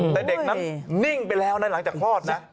แต่เด็กนั้นนิ่งไปแล้วนะหลังจากคลอดนะ